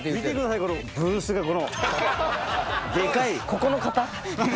ここの方？